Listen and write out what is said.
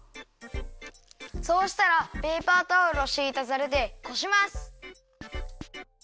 そうしたらペーパータオルをしいたざるでこします。